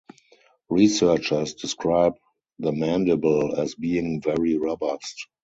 Researchers describe the mandible as being "very robust".